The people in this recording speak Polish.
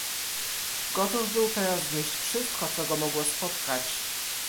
"Gotów był teraz znieść wszystko, co go mogło spotkać."